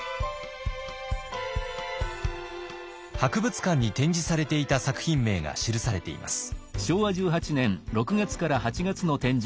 博物館に展示されていた作品名が記されています。